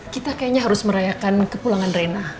kita kayaknya harus merayakan kepulangan rena